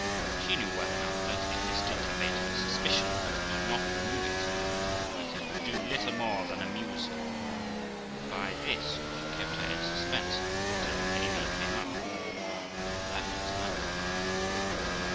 She knew well enough that if this did abate her suspicion it would not remove it, and that it would do little more than amuse her ; but by this she kept her in suspense till Amy came up, and that was enough.